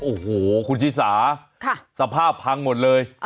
โอ้โหคุณชิสาสภาพพังหมดเลย